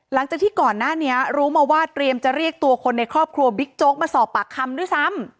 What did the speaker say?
หลังจากที่ก่อนหน้านี้รู้มาว่าเตรียมจะเรียกตัวคนในครอบครัวบิ๊กโจ๊กมาสอบปากคำด้วยซ้ำ